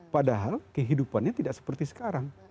padahal kehidupannya tidak seperti sekarang